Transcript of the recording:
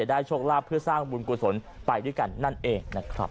ได้ชกลาภภือสร้างบุญก่วงศลไปด้วยกันนั่นเอง